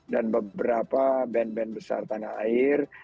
dan beberapa band band besar tanah air